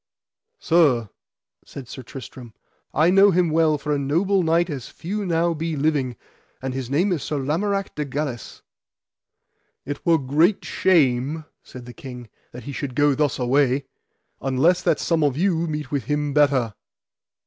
Sir, said Sir Tristram, I know him well for a noble knight as few now be living, and his name is Sir Lamorak de Galis. It were great shame, said the king, that he should go thus away, unless that some of you meet with him better.